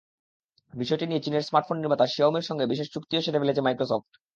বিষয়টি নিয়ে চীনের স্মার্টফোন নির্মাতা শিয়াওমির সঙ্গে বিশেষ চুক্তিও সেরে ফেলেছে মাইক্রোসফট।